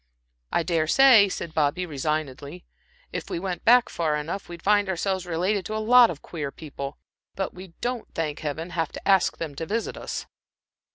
"I dare say," said Bobby, resignedly, "if we went far enough back, we'd find ourselves related to a lot of queer people. But we don't, thank Heaven! have to ask them to visit us."